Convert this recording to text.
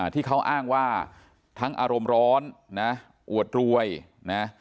ที่เขาอ้างว่าทั้งอารมณ์ร้อนนะอวดรวยนะ